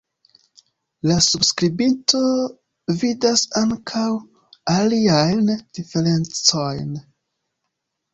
La subskribinto vidas ankaŭ aliajn diferencojn.